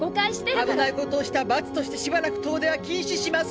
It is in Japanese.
危ないことをした罰としてしばらく遠出は禁止します。